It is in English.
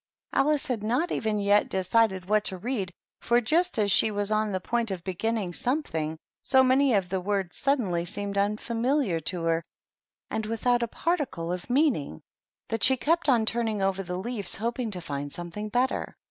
Alice had not even yet decided what to read, for just as she was on the point of beginning something, so many of the words suddenly seemed unfamiliar to her and without a particle of mean ing, that she kept on turning over the leaves, hoping to find something better.